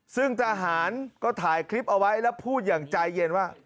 ซึ่งทหารก็ถ่ายคลิปเอาไว้แล้วพูดอย่างใจเย็นว่า